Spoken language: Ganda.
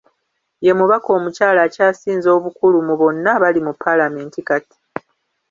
Ye mubaka omukyala akyasinze obukulu mu bonna abali mu paalamenti kati.